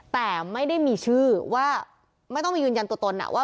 แต่ไม่ได้มีชื่อว่าไม่ต้องมียืนยันตัวตนว่า